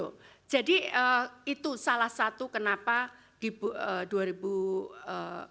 berhasil menemukan bpk jadi itu salah satu kenapa di dua ribu dua puluh tiga itu berhasil menemukan bpk